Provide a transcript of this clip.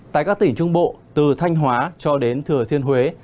tại các tỉnh trung bộ từ thanh hóa cho đến thừa thiên huế